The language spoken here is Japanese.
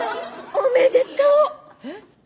おめでとう。